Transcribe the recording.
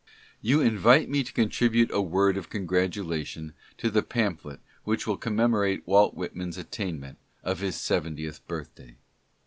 You invite me to contribute a word of congratulation to the pamphlet which will commemorate Walt Whitman's attainment of his seventieth birthday.